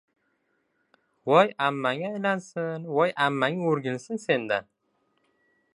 Voy a.mmang aylansin! Voy ammang o‘rgilsin sendan!